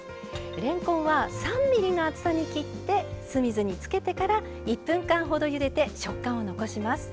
れんこんは３ｍｍの厚さに切って酢水につけてから１分間ほどゆでて食感を残します。